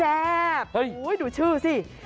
โอ้โหดูชื่อสิ